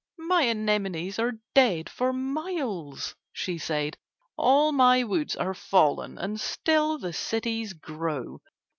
"My anemones are dead for miles," she said, "all my woods are fallen and still the cities grow.